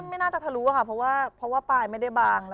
ไม่น่าจะทะลุค่ะเพราะว่าปลายไม่ได้บาง